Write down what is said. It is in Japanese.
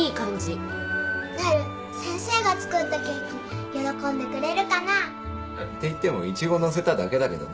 なる先生が作ったケーキ喜んでくれるかな？っていってもイチゴのせただけだけどな。